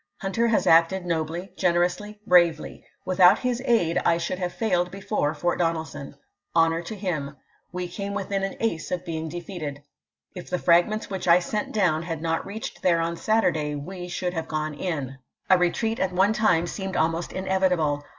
Hunter has acted nobly, generously, bravely. Without his aid I should have failed before Fort Donelson, Honor to him. We came within an ace of being defeated. If the fragments which I sent down had not reached there on Saturday we should have gone in. A retreat at one time seemed almost inevitable.